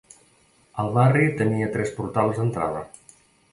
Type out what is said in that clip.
El barri tenia tres portals d'entrada.